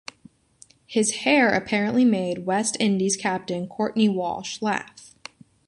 His hair apparently made West Indies captain Courtney Walsh laugh.